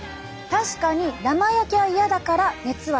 確かに生焼けは嫌だから熱は必要。